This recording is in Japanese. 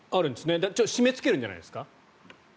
締めつけるんじゃないですか？